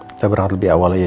kita berharap lebih awal aja